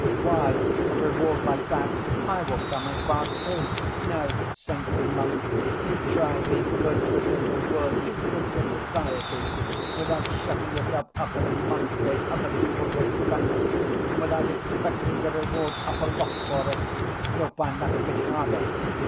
Why, for reward like that I will come and fast too! No, saintly monk, you try being virtuous in the world, do good to society, without shutting yourself up in a monastery at other people's expense, and without expecting a reward up aloft for it—you'll find that a bit harder.